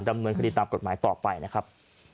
ดำเนินคดีตามกฎหมายต่อไปนะครับ